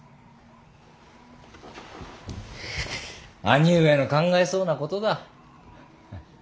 兄上の考えそうなことだ。